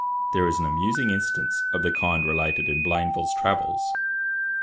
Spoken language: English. There is an amusing instance of the kind related in Blainville's Travels.